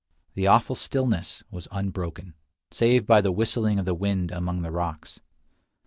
The awful stillness was unbroken, save by the whistling of the wind among the rocks.